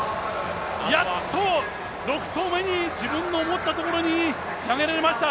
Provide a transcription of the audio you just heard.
やっと、６投目に自分の思ったところに投げられました。